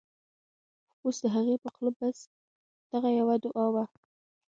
اوس د هغې په خوله بس، دغه یوه دعاوه